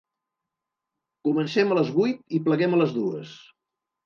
Comencem a les vuit i pleguem a les dues.